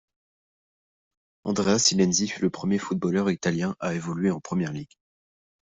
Andrea Silenzi fut le premier footballeur italien à évoluer en Premier League.